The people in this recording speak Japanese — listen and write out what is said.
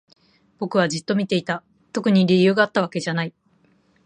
僕はじっと見ていた。特に理由があったわけじゃない。